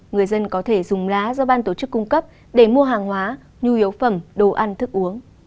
người dân có thể dùng lá do ban tổ chức cung cấp để mua hàng hóa nhu yếu phẩm đồ ăn thức uống